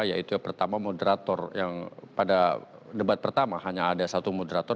yaitu yang pertama moderator yang pada debat pertama hanya ada satu moderator